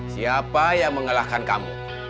siapa yang mengalahkan kamu